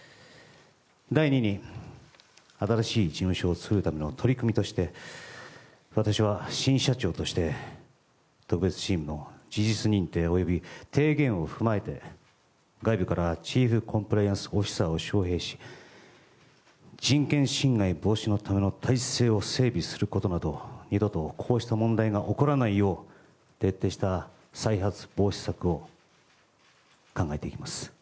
第２に新しい事務所を作るための取り組みとして私は新社長として特別チームの事実認定および提言を踏まえて外部からチームコンプライアンスオフィサーを招へいし人権侵害防止のための体制を整備することなど二度とこうした問題が起こらないよう徹底した再発防止策を考えていきます。